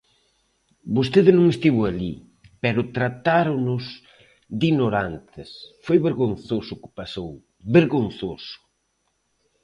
Vostede non estivo alí, pero tratáronos de ignorantes; foi vergonzoso o que pasou, ¡vergonzoso!